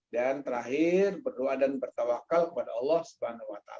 dan terakhir berdoa dan bertawakal kepada allah swt